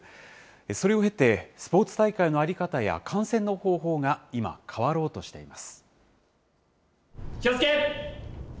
それを経て、スポーツ大会の在り方や、観戦の方法が今、変わろうとしています。